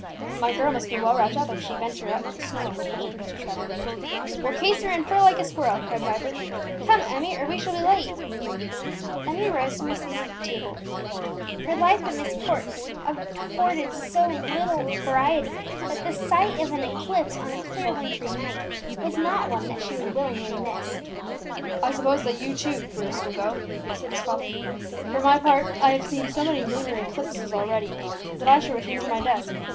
"My girl must be well wrapped up if she venture out in the snow," observed Mr. Trevor. "We'll case her in fur like a squirrel!" cried Vibert. "Come, Emmie, or we shall be late." Emmie rose from her seat at table; her life at Myst Court afforded so little variety, that the sight of an eclipse on a clear wintry night was not one that she would willingly miss. "I suppose that you, Bruce, will go too," said his father. "For my part, I have seen so many lunar eclipses already, that I shall return to my desk.